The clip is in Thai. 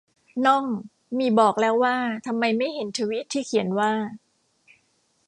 น่อง มีบอกแล้วว่าทำไมไม่เห็นทวีตที่เขียนว่า